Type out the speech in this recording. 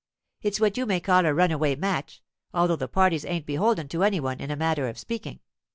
It's what you may call a runaway match, although the parties ain't beholden to any one, in a manner of speaking.